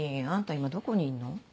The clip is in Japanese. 今どこにいんの？